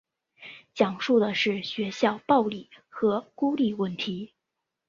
讲述的是学校暴力和孤立问题。